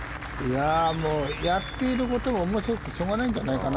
もう、やっていることが面白くてしょうがないんじゃないかな。